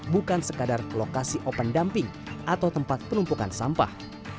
bukan sekadar lokasi open dumping atau tempat penumpukan sampah